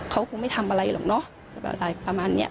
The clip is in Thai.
เขาคงไม่ทำอะไรหรอกเนาะประมาณนี้